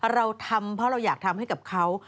เราทำเพราะเราอยากทำให้กับเขา